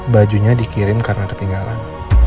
bajunya dikirim karena ketinggalan